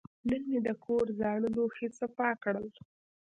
نن مې د کور زاړه لوښي صفا کړل.